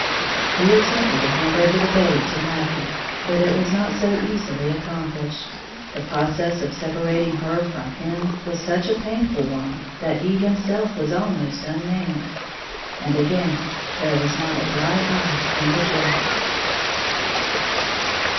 He attempted to hand over the babe to Nucky; but it was not so easily accomplished. The process of separating her from him was such a painful one that he himself was almost unmanned, and again there was not a dry eye in the jail.